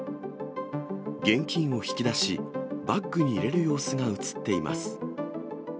現金を引き出し、バッグに入れる様子が写っています。